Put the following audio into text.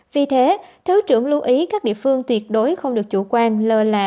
vì thế thứ trưởng lưu ý các địa phương tuyệt đối không được chủ quan lơ là